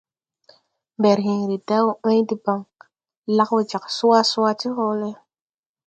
Mberhẽẽre da wɔ ãy debaŋ, lag wɔ jag swa swa ti hɔɔlɛ.